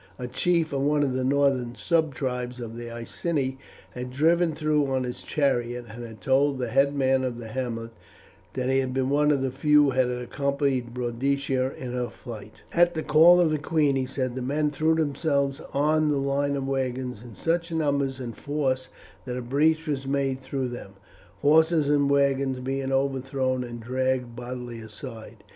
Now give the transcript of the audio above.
A chief of one of the northern subtribes of the Iceni had driven through on his chariot and had told the headman of the hamlet that he had been one of the few who had accompanied Boadicea in her flight. At the call of the queen, he said, the men threw themselves on the line of wagons in such number and force that a breach was made through them, horses and wagons being overthrown and dragged bodily aside.